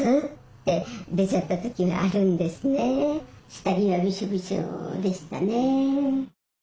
下着はびしょびしょでしたね。